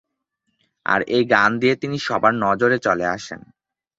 আর এই গান দিয়ে তিনি সবার নজরে চলে আসেন।